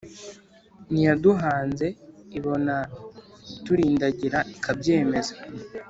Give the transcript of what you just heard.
N'iyaduhanze ibona turindagira ikabyemeza